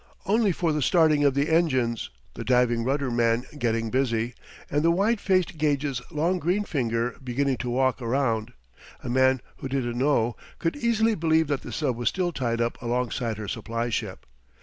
Only for the starting of the engines, the diving rudder man getting busy, and the wide faced gauge's long green finger beginning to walk around, a man who didn't know could easily believe that the sub was still tied up alongside her supply ship.